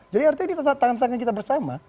jadi artinya ini tantangan kita bersama